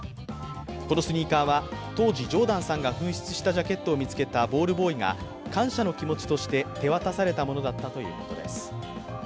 このスニーカーは、当時ジョーダンさんが紛失したジャケットを見つけたボールボーイが感謝の気持ちとして手渡されたものだったということです。